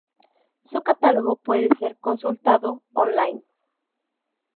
Su catálogo puede ser consultado "on-line".